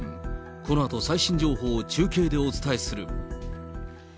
このあと最新情報を中継でお伝えする。